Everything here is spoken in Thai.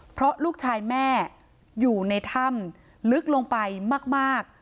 เพราะลูกชายแม่อยู่ในถ้ำลึกลงไปมาก